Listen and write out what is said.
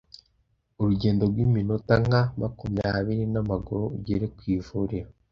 urugendo rw'iminota nka makumyabiri n'amaguru ugere ku ivuriro